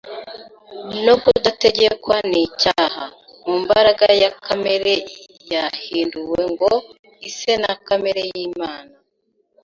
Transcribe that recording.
no kudategekwa n’icyaha, mu mbaraga ya kamere yahinduwe ngo ise na kamere y’Imana